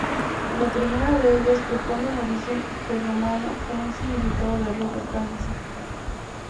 La primera de ellas propone un origen prerromano, con un significado de "roca caliza".